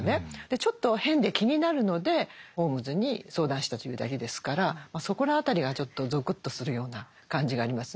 ちょっと変で気になるのでホームズに相談したというだけですからそこら辺りがちょっとぞくっとするような感じがありますね。